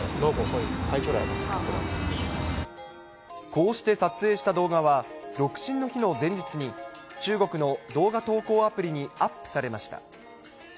こうして撮影した動画は、独身の日の前日に、中国の動画投稿アプリにアップされました。